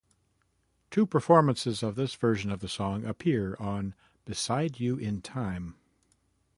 Two performances of this version of the song appear on "Beside You in Time".